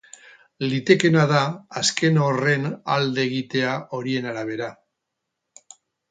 Litekeena da azken horren alde egitea, horien arabera.